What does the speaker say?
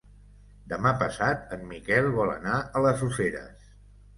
Demà passat en Miquel vol anar a les Useres.